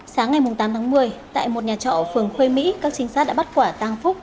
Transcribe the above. sáng ngày tám tháng một mươi tại một nhà trọ ở phường khuê mỹ các trinh sát đã bắt quả tàng phúc